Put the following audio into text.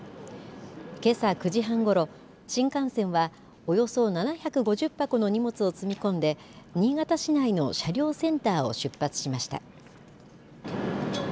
けさ９時半ごろ、新幹線はおよそ７５０箱の荷物を積み込んで新潟市内の車両センターを出発しました。